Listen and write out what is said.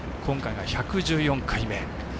今回が１１４回目。